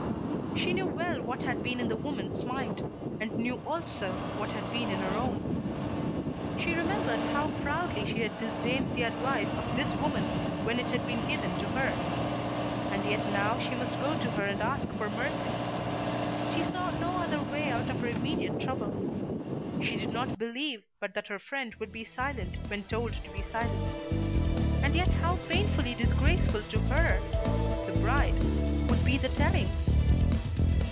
She knew well what had been in the woman's mind, and knew also what had been in her own! She remembered how proudly she had disdained the advice of this woman when it had been given to her. And yet now she must go to her and ask for mercy. She saw no other way out of her immediate trouble. She did not believe but that her friend would be silent when told to be silent; but yet how painfully disgraceful to her, the bride, would be the telling.